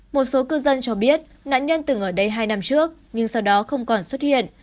một số cư dân cho biết nạn nhân từng ở đây hai năm trước nhưng sau đó không còn xuất hiện